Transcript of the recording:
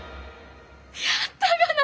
やったがな！